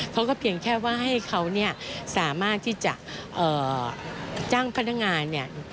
เขาก็เพียงแค่ว่าให้เขาเนี่ยสามารถที่จะจ้างพนักงานเนี่ย